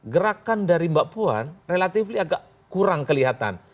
gerakan dari mbak puan relatif agak kurang kelihatan